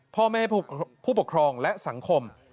พ่อแม่ผู้ปกครองและสังคม